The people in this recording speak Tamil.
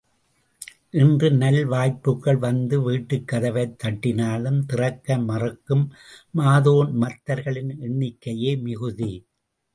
இன்று நல் வாய்ப்புக்கள் வந்து வீட்டுக்கதவைத் தட்டினாலும் திறக்க மறுக்கும் மதோன் மத்தர்களின் எண்ணிக்கையே மிகுதி!